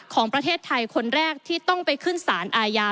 ของประเทศไทยคนแรกที่ต้องไปขึ้นสารอาญา